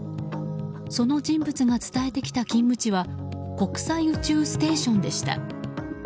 その人物が伝えてきた勤務地は国際宇宙ステーションでした。